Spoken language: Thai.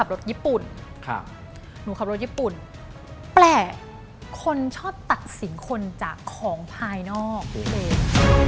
เราตัดสินคนจากของภายนอก